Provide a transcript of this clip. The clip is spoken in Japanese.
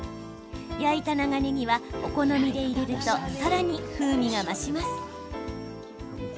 焼いた長ねぎはお好みで入れるとさらに風味が増します。